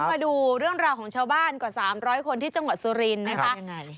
มาดูเรื่องราวของชาวบ้านกว่า๓๐๐คนที่จังหวัดสุรินทร์นะคะยังไง